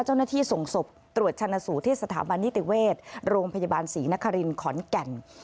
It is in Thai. เจ้าหน้าที่ส่งศพตรวจชนะสูตรที่สถาบันนิติเวชโรงพยาบาลศรีนครินขอนแก่น